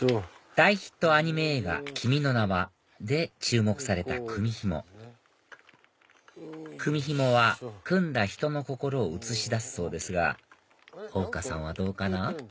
大ヒットアニメ映画『君の名は。』で注目された組み紐組み紐は組んだ人の心を映し出すそうですがほうかさんはどうかな？